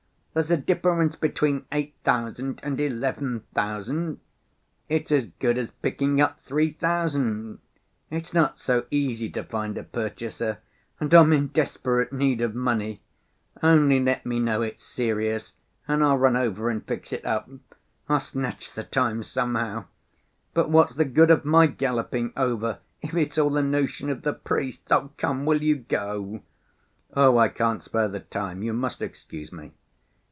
there's a difference between eight thousand and eleven thousand. It's as good as picking up three thousand; it's not so easy to find a purchaser, and I'm in desperate need of money. Only let me know it's serious, and I'll run over and fix it up. I'll snatch the time somehow. But what's the good of my galloping over, if it's all a notion of the priest's? Come, will you go?" "Oh, I can't spare the time. You must excuse me."